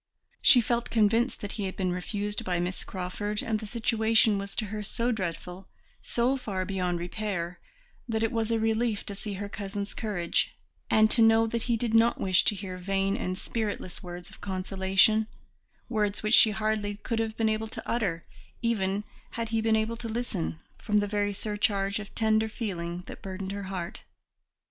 She felt convinced that he had been refused by Miss Crawford, and the situation was to her so dreadful, so far beyond repair, that it was a relief to see her cousin's courage, and to know that he did not wish to hear vain and spiritless words of consolation, words which she hardly could have been able to utter, even had he been able to listen, from the very surcharge of tender feeling that burdened her heart.